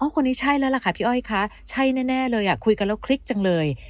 คนนี้ใช่แล้วล่ะค่ะพี่อ้อยคะใช่แน่เลยคุยกันแล้วคลิกจังเลย